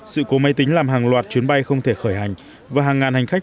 sự cố máy tính làm hàng loạt chuyến bay không thể khởi hành và hàng ngàn hành khách